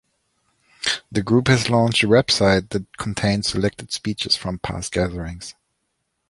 The group has launched a website that contains selected speeches from past gatherings.